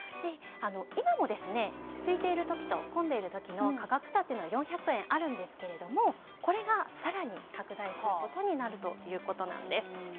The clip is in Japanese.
今も空いている時と混んでいる時の価格差は４００円ありますがこれが更に拡大することになるということなんです。